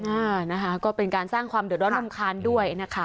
อ่านะคะก็เป็นการสร้างความเดือดร้อนรำคาญด้วยนะคะ